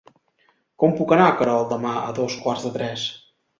Com puc anar a Querol demà a dos quarts de tres?